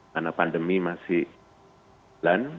karena pandemi masih lan